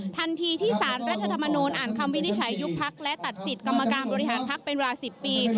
ทันทีที่สารรัฐธรรมนูญอ่านคำวินิจฉัยยุบพักและตัดสิทธิ์กรรมการบริหารพักเป็นเวลา๑๐ปี